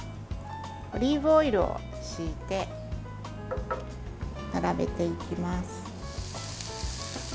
オリーブオイルをひいて並べていきます。